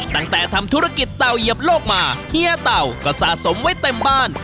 ตั้งแต่ทำธุรกิจเต่าเหยียบโลกมาเฮียเต่าก็สะสมไว้เต็มบ้าน